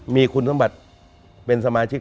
มีคุณสมบัติเป็นสมาชิก